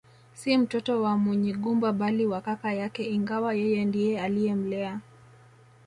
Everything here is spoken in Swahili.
Si mtoto wa Munyigumba bali wa kaka yake ingawa yeye ndiye aliyemlea